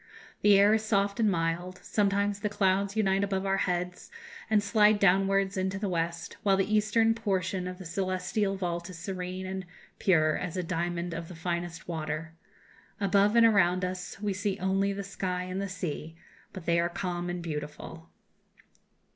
The air is soft and mild; sometimes the clouds unite above our heads and slide downwards into the west, while the eastern portion of the celestial vault is serene and pure as a diamond of the finest water. Above and around us we see only the sky and the sea, but they are calm and beautiful."